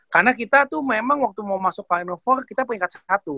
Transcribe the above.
karena kita tuh memang waktu mau masuk final empat kita peringkat satu